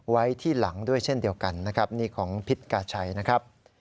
ไว้ที่หลังด้วยเช่นเดียวกันนะครับนี่ของพิษกาชัยนะครับ